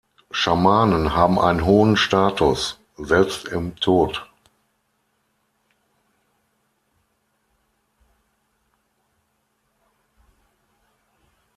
Schamanen haben einen hohen Status, selbst im Tod.